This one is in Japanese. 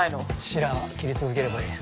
シラは切り続ければいい。